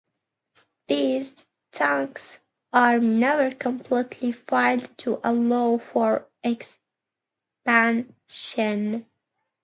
These tanks are never completely filled to allow for expansion.